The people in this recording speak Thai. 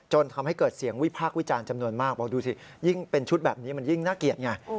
ทำให้เกิดเสียงวิพากษ์วิจารณ์จำนวนมากบอกดูสิยิ่งเป็นชุดแบบนี้มันยิ่งน่าเกลียดไง